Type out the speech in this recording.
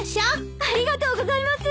ありがとうございます。